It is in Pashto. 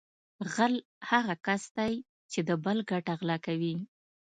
غل هغه کس دی چې د بل ګټه غلا کوي